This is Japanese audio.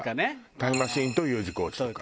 タイムマシーンとＵ字工事とか。